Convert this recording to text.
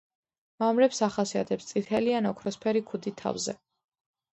მამრებს ახასიათებს წითელი ან ოქროსფერი „ქუდი“ თავზე.